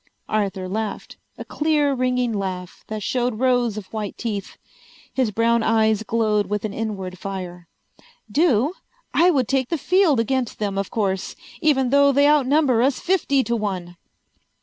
Arthur laughed, a clear ringing laugh that showed rows of white teeth. His brown eyes glowed with an inward fire. "Do? I would take the field against them, of course! Even though they outnumber us fifty to one."